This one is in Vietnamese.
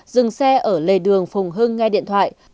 dừng xe ở lề đường phùng hưng nghe điện thoại